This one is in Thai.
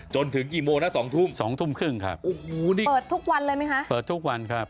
จนถึงกี่โมงนะ๒ทุ่มครับ๒๓๐ครับโอ้โหเปิดทุกวันเลยมั้ยคะเปิดทุกวันครับ